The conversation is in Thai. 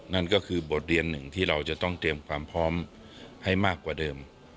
นั่นก็คือบทเรียนหนึ่งที่เราจะต้องเตรียมความพร้อมให้มากกว่าเดิม